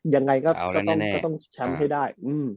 ยังไงก็ต้องแชมป์ให้ได้